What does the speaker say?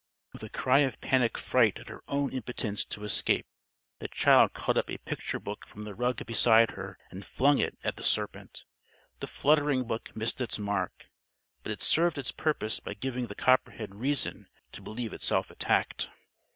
With a cry of panic fright at her own impotence to escape, the child caught up a picture book from the rug beside her, and flung it at the serpent. The fluttering book missed its mark. But it served its purpose by giving the copperhead reason to believe itself attacked.